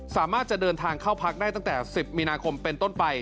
สามารถจะเดินทางเข้าพักได้ตั้งแต่๑๐มีนาคมเป็นต้นไป